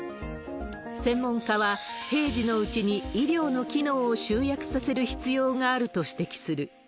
専門家は、平時のうちに医療の機能を集約させる必要があると指摘する。